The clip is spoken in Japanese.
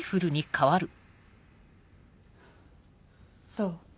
どう？